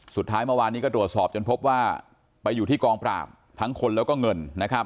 สุดท้ายเมื่อวานนี้ก็ตรวจสอบจนพบว่าไปอยู่ที่กองปราบทั้งคนแล้วก็เงินนะครับ